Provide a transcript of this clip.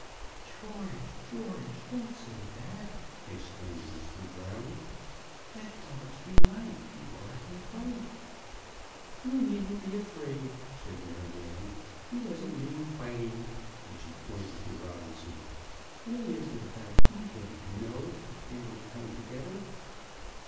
"George, George, don't say that," exclaimed Mr. Brown. "'Let dogs delight to bark and bite.'" "You needn't be afraid," said Maryanne. "He doesn't mean fighting," and she pointed to Robinson. "William would about eat him, you know, if they were to come together."